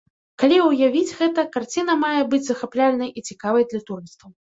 Калі ўявіць гэта, карціна мае быць захапляльнай і цікавай для турыстаў.